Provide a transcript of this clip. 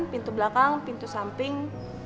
pintu belakang pintu samping